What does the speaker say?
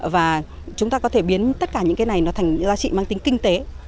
và chúng ta có thể biến tất cả những cái này nó thành giá trị mang tính kinh tế